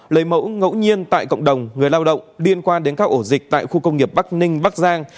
lấy mẫu ngẫu nhiên tại cộng đồng người lao động liên quan đến các ổ dịch tại khu công nghiệp bắc ninh bắc giang